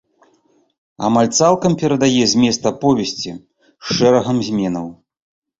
Амаль цалкам перадае змест аповесці, з шэрагам зменаў.